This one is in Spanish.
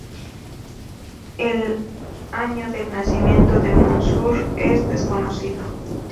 El año del nacimiento de Mansur es desconocido.